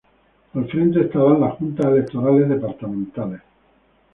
Al frente, estarán las Juntas Electorales Departamentales.